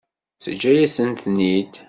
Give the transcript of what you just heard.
Teǧǧa-yasent-ten-id.